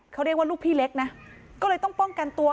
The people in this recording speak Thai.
เขาเรียกว่าลูกพี่เล็กนะก็เลยต้องป้องกันตัว